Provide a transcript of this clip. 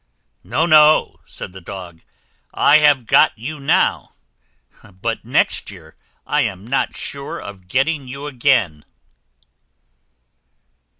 "No, no," said the Dog; "I have got you now, but next year I am not sure of getting you again."